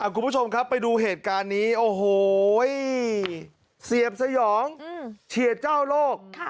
คุณผู้ชมครับไปดูเหตุการณ์นี้โอ้โหเสียบสยองเฉียดเจ้าโลก